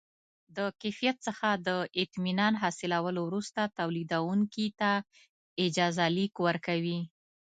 د کیفیت څخه د اطمینان حاصلولو وروسته تولیدوونکي ته اجازه لیک ورکوي.